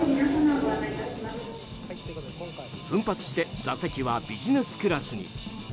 奮発して座席はビジネスクラスに。